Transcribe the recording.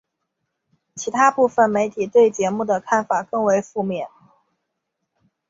其它部分媒体对节目的看法更为负面。